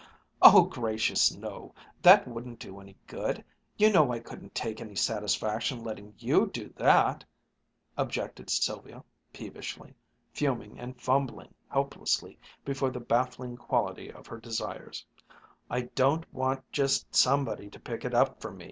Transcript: "Oh gracious, no! That wouldn't do any good! You know I couldn't take any satisfaction letting you do that!" objected Sylvia, peevishly, fuming and fumbling helplessly before the baffling quality of her desires. "I don't want just somebody to pick it up for me.